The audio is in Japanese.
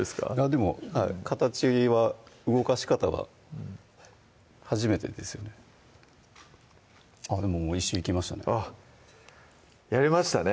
でも形は動かし方は初めてですよねでも１周いきましたねあっやりましたね